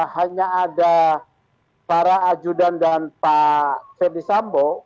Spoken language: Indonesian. hanya ada para ajudan dan pak ferdisambo